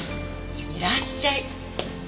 いらっしゃい。